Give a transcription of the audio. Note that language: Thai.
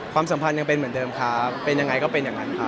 สัมพันธ์ยังเป็นเหมือนเดิมครับเป็นยังไงก็เป็นอย่างนั้นครับ